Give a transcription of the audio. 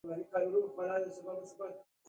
د مارچ درویشتمه د افراطي پاچا د دفاع ورځ ده.